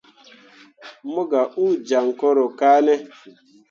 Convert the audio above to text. Mo gah uu jaŋ koro kane.